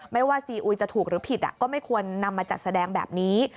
ว่าซีอุยจะถูกหรือผิดก็ไม่ควรนำมาจัดแสดงแบบนี้